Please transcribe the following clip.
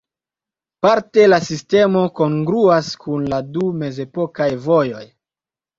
Parte la sistemo kongruas kun la du mezepokaj vojoj.